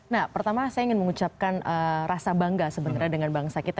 nah pertama saya ingin mengucapkan rasa bangga sebenarnya dengan bangsa kita